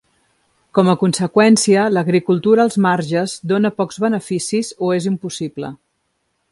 Com a conseqüència, l'agricultura als marges dona pocs beneficis o és impossible.